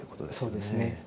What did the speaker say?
そうですね。